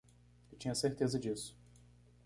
Eu tinha certeza disso.